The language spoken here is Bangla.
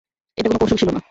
এটা কোন কৌশল ছিল না।